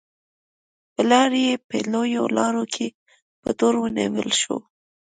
پلار یې په لویو لارو کې په تور ونیول شو.